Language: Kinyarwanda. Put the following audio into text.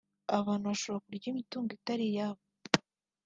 abantu bashobora kurya imitungo itari iyabo